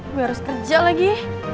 gue harus kerja lagi